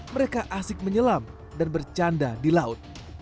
mereka asik menyelam dan bercanda di laut